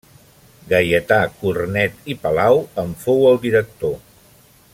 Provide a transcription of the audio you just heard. Gaietà Cornet i Palau en fou el director.